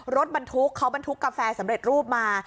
รถบรรทุกเขาบรรทุกกาแฟสำเร็จรูปมา